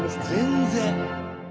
全然！